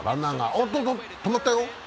おっとっと、止まったよ。